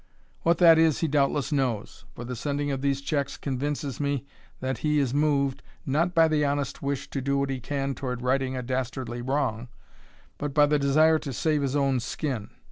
What that is he doubtless knows, for the sending of these checks convinces me that he is moved, not by the honest wish to do what he can toward righting a dastardly wrong, but by the desire to save his own skin.